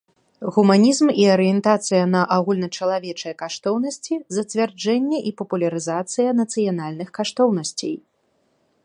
Гуманiзм i арыентацыя на агульначалавечыя каштоўнасцi, зацвярджэнне i папулярызацыя нацыянальных каштоўнасцей.